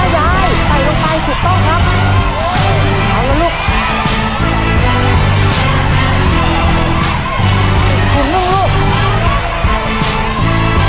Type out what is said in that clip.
ไปลูกถึงสุดท้ายนะครับทุกคนครับ